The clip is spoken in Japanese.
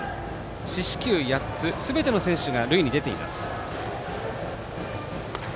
四死球８つ、すべての選手が塁に出ています。